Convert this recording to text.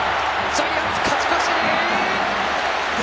ジャイアンツ、勝ち越し！